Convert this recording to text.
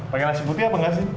pakai nasi putih apa enggak sih